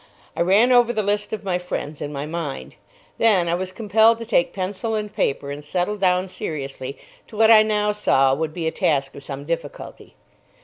I ran over the list of my friends in my mind. Then I was compelled to take pencil and paper, and settle down seriously to what I now saw would be a task of some difficulty.